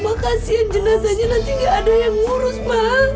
makasih ya jenazahnya nanti gak ada yang ngurus mak